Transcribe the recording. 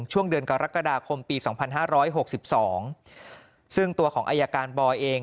ช่วงเดือนกรกฎาคมปี๒๕๖๒ซึ่งตัวของอายการบอยเอง